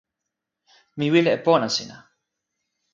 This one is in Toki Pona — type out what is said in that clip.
mi wile e pona sina.